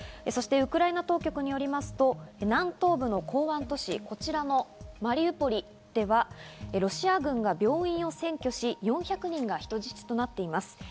そしてウクライナ当局によりますと南東部の港湾都市マリウポリではロシア軍が病院を占拠し４００人が人質となっています。